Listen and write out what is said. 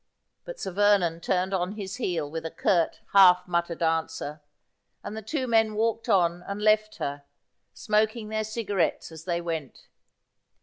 But Sir Vernon turned on his heel with a curt half muttered answer, and the two men walked on and left her, smoking their cigarettes as they went.